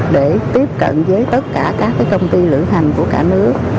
để tiếp cận với tất cả các công ty lửa hành của cả nước